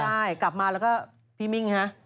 ใช่กลับมาแล้วก็พี่มิ่งฮะ